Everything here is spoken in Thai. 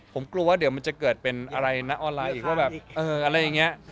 ผมกลัวว่าเดี๋ยวมันจะเกิดเป็นอะไรนะออนไลน์อีกว่าแบบเอออะไรอย่างนี้